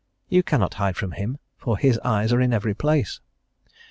"You cannot hide from Him, for His eyes are in every place."